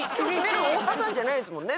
でも太田さんじゃないですもんね？